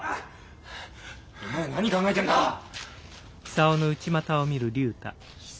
お前何考えてんだっ！？